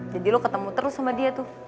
jadi lo ketemu terus sama dia tuh